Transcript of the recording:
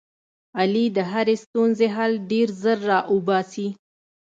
علي د هرې ستونزې حل ډېر زر را اوباسي.